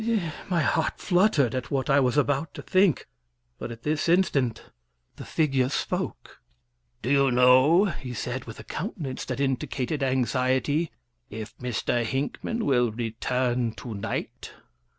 My heart fluttered at what I was about to think, but at this instant the figure spoke. "Do you know," he said, with a countenance that indicated anxiety, "if Mr. Hinckman will return to night?"